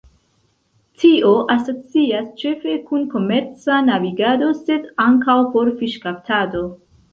Tio asocias ĉefe kun komerca navigado sed ankaŭ por fiŝkaptado.